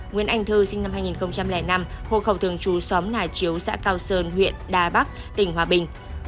nguyễn anh thư sinh năm hai nghìn năm hộ khẩu thường trú xóm nải chiếu xã cao sơn huyện đa bắc tỉnh hòa bình